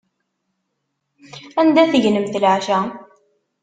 Anda tegnemt leɛca?